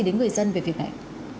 đến người dân về việc này